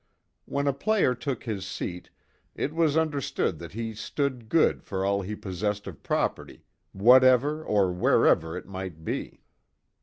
When a player took his seat it was understood that he stood good for all he possessed of property, whatever or wherever it might be.